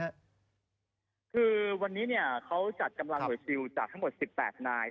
คือวันนี้เนี่ยเขาจัดกำลังหน่วยซิลจากทั้งหมด๑๘นาย